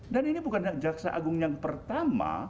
ini bukan jaksa agung yang pertama